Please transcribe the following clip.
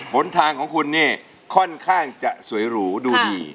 หนทางของคุณเนี่ยค่อนข้างจะสวยหรูดูดี